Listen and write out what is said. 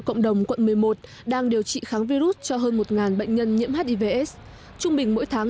cộng đồng quận một mươi một đang điều trị kháng virus cho hơn một bệnh nhân nhiễm hivs trung bình mỗi tháng